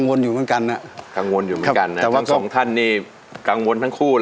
สงสารเผิดน้องอย่าให้ฉันน้องอย่าให้ฉันน้อง